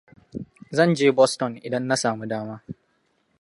Zan je Boston idan na samu dama.